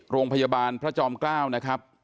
โรงพยาบาลพระจอมเกล้านะครับ